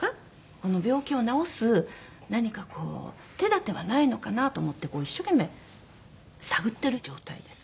この病気を治す何かこう手立てはないのかなと思って一生懸命探ってる状態です。